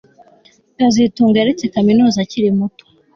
kazitunga yaretse kaminuza akiri muto